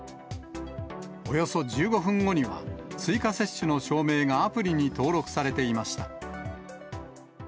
およそ１５分後には、追加接種の証明がアプリに登録されていました。